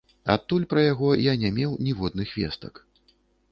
Адтуль пра яго я не меў ніводных вестак.